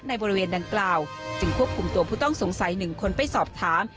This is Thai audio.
บริเวณดังกล่าวจึงควบคุมตัวผู้ต้องสงสัย๑คนไปสอบถาม